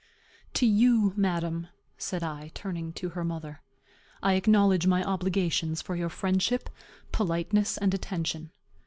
"To you, madam," said I, turning to her mother, "I acknowledge my obligations for your friendship, politeness, and attention.